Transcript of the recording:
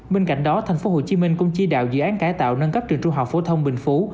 bên cạnh đó tp hcm cũng chỉ đạo dự án cải tạo nâng cấp trường trung học phổ thông bình phú